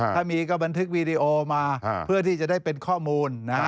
ถ้ามีก็บันทึกวีดีโอมาเพื่อที่จะได้เป็นข้อมูลนะฮะ